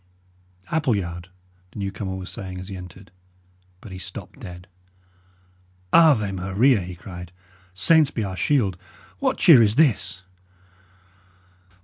"Appleyard" the newcomer was saying, as he entered; but he stopped dead. "Ave Maria!" he cried. "Saints be our shield! What cheer is this?"